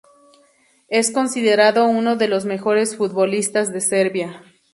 Es considerado uno de los mejores futbolistas de Serbia.